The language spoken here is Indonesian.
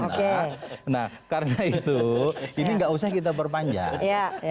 nah karena itu ini nggak usah kita perpanjang